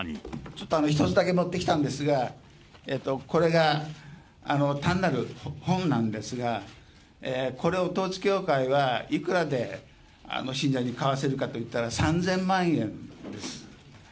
ちょっと１つだけ持ってきたんですが、これが単なる本なんですが、これを統一教会はいくらで信者に買わせるかといったら３０００万円です。